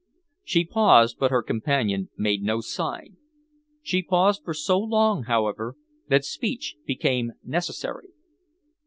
She paused, but her companion made no sign. She paused for so long, however, that speech became necessary.